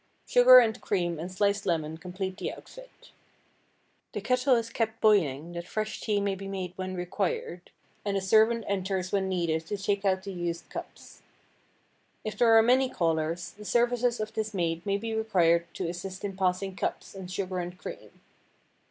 Sugar and cream and sliced lemon complete the outfit. The kettle is kept boiling that fresh tea may be made when required, and a servant enters when needed to take out the used cups. If there are many callers, the services of this maid may be required to assist in passing cups, and sugar and cream.